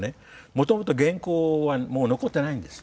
もともと原稿はもう残ってないんです